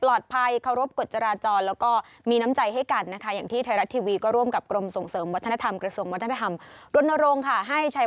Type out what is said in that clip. เคารพกฎจราจรแล้วก็มีน้ำใจให้กันนะคะอย่างที่ไทยรัฐทีวีก็ร่วมกับกรมส่งเสริมวัฒนธรรมกระทรวงวัฒนธรรมรณรงค์ค่ะให้ใช้